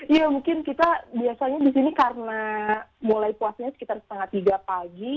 iya mungkin kita biasanya di sini karena mulai puasnya sekitar setengah tiga pagi